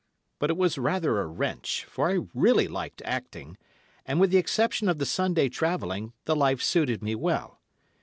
But it was rather a wrench, for I really liked acting, and, with the exception of the Sunday travelling, the life suited me well.